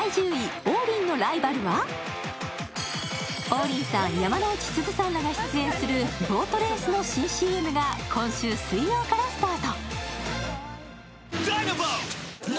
王林さん、山之内すずさんらが出演するボートレースの新ＣＭが今週水曜からスタート。